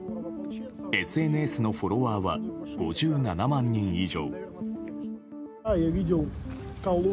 ＳＮＳのフォロワーは５７万人以上。